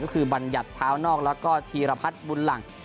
ก็คือบัญญัติเท้านอกแล้วก็ธีรพัฒน์บุญหลัง